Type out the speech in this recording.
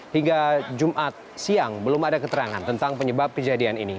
hingga jumat siang belum ada keterangan tentang penyebab kejadian ini